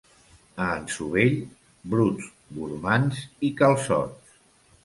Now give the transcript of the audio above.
A Ansovell, bruts, gormands i calçots.